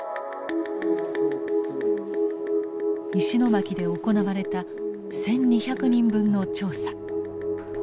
石巻で行われた１，２００人分の調査。